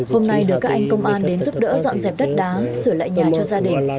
hôm nay được các anh công an đến giúp đỡ dọn dẹp đất đá sửa lại nhà cho gia đình